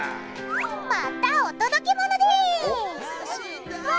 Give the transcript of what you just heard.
またお届け物です！